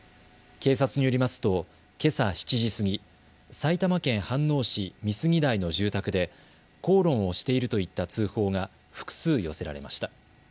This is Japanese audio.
警察によりますとけさ７時過ぎ、埼玉県飯能市美杉台の住宅で口論をしているといった通報が複数寄せられました。